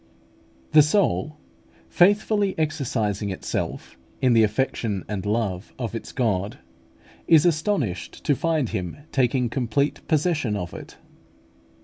The soul, faithfully exercising itself in the affection and love of its God, is astonished to find Him taking complete possession of it.